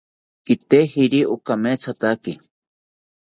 Kitejiri okamethataki